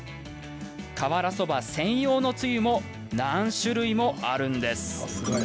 瓦そば専用のつゆも何種類もあるんです。